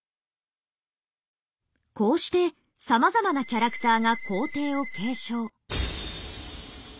こうしてさまざまなキャラクターが皇帝を継承。